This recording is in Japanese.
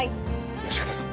善方さん